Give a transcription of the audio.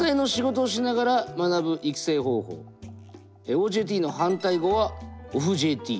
ＯＪＴの反対語はＯＦＦ−ＪＴ。